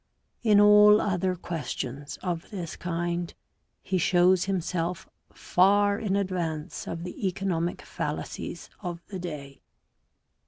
In all other questions of this kind he shows himself far in advance of the economic fallacies of the day.